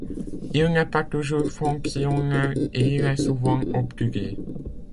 Il n'est pas toujours fonctionnel et il est souvent obturé.